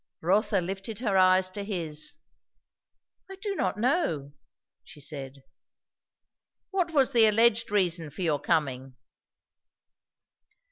Rotha lifted her eyes to his. "I do not know," she said. "What was the alleged reason for your coming?"